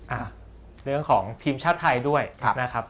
อ่ะเรื่องของทีมชาติไทยด้วยนะครับ